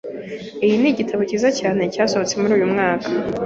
Iyi ni igitabo cyiza cyane cyasohotse muri uyu mwaka.